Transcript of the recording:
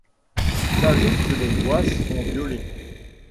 J’ajoute que les lois sont violées!